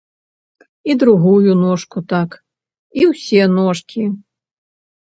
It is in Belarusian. І другую ножку так, і ўсе ножкі.